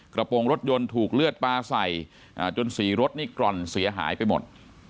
โปรงรถยนต์ถูกเลือดปลาใส่จนสีรถนี่กร่อนเสียหายไปหมด